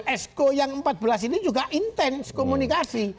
esko yang empat belas ini juga intens komunikasi